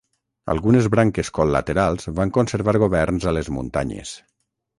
Algunes branques col·laterals van conservar governs a les muntanyes.